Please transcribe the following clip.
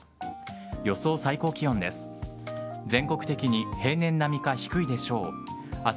予想最高気温です。